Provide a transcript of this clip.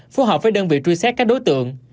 phù hợp với đơn vị truy xét các đối tượng